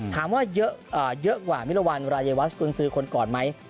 ถามว่าเยอะกว่ามิลวัลรายวัสต์คุณซื้อคนก่อนไหม